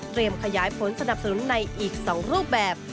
ขยายผลสนับสนุนในอีก๒รูปแบบ